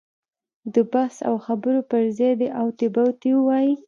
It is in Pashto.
د بحث او خبرو پر ځای دې اوتې بوتې ووایي.